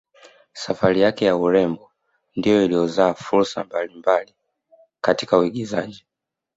Safari yake ya urembo ndiyo iliyozaa fursa mbali mbali katika uigizaji